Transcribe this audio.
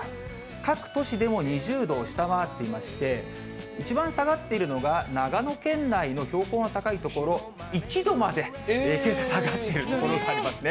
各都市でも２０度を下回っていまして、一番下がっているのが長野県内の標高の高い所、１度までけさ、下がっている所がありますね。